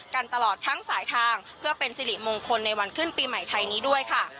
กันตลอดทั้งสายทางเพื่อเป็นสิริมงคลในวันขึ้นปีใหม่ไทยนี้ด้วยค่ะ